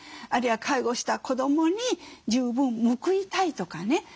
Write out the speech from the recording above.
あるいは介護した子どもに十分報いたいとかね。